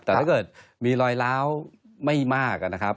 แต่ถ้าเกิดมีรอยล้าวไม่มากนะครับ